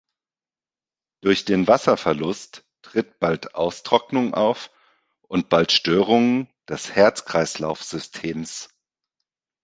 Durch den Wasserverlust tritt bald Austrocknung auf, und bald Störungen des Herz-Kreislauf-Systems.